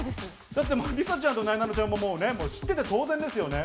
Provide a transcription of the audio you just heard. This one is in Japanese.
だって梨紗ちゃんとなえなのちゃんも、もうね、知ってて当然ですよね。